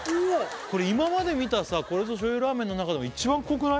これ今まで見た「これぞ醤油ラーメン」の中でも一番濃くない？